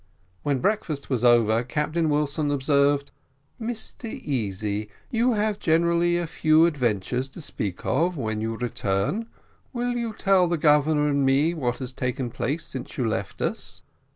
When breakfast was over, Captain Wilson observed: "Mr Easy, you have generally a few adventures to speak of when you return; will you tell the Governor and me what has taken place since you left us."